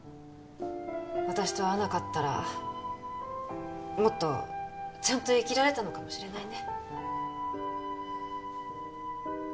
私と会わなかったらもっとちゃんと生きられたのかもしれないね